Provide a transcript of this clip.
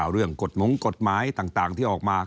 เรื่องของกฎหมายต่างที่ออกมา